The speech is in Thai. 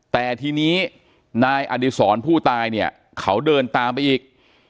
แต่ทีนี้นายอดีศรผู้ตายเนี่ยเขาเดินตามไปอีก